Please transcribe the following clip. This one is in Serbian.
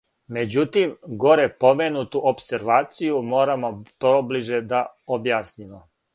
Међутим, горе поменуту опсервацију морамо поближе да објаснимо.